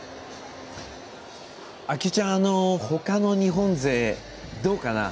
啓代ちゃん他の日本勢、どうかな？